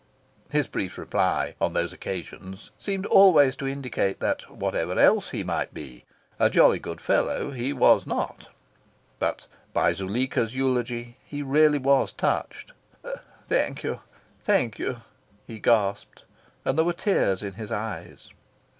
His brief reply, on those occasions, seemed always to indicate that, whatever else he might be, a jolly good fellow he was not. But by Zuleika's eulogy he really was touched. "Thank you thank you," he gasped; and there were tears in his eyes.